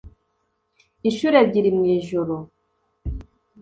Inshuro ebyiri mu ijoro